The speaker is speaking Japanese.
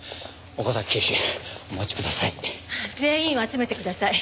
全員を集めてください。